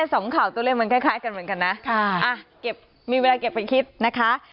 สองข่าวตัวเล่มมันคล้ายกันเหมือนกันนะมีเวลาเก็บเป็นคลิปนะคะ